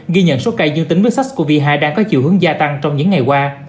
ghi nhận số ca dương tính với sars cov hai đang có chiều hướng gia tăng trong những ngày qua